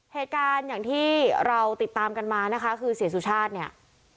เหตุการณ์อย่างที่เราติดตามกันมานะคะคือเสียสุชาติเนี่ย